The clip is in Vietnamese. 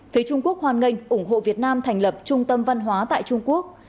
phía trung quốc hoàn ngành ủng hộ việt nam thành lập trung tâm văn hóa tại trung quốc